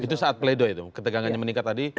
itu saat pleido itu ketegangannya meningkat tadi